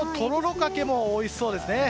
かけもおいしそうですね。